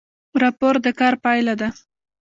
راپور د کار پایله ده